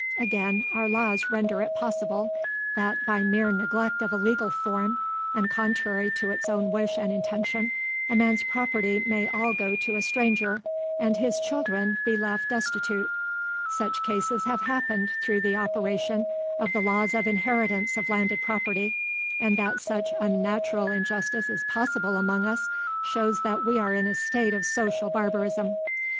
Again, our laws render it possible, that, by mere neglect of a legal form, and contrary to his own wish and intention, a man's property may all go to a stranger, and his own children be left destitute. Such cases have happened through the operation of the laws of inheritance of landed property; and that such unnatural injustice is possible among us, shows that we are in a state of social barbarism.